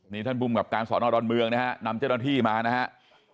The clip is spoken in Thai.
นี่ท่านภูมิกับการสอนอดอนเมืองนะฮะนำเจ้าหน้าที่มานะครับ